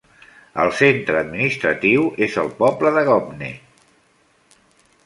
El centre administratiu és el poble de Gaupne.